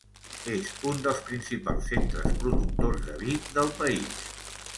És un dels principals centres productors de vi del país.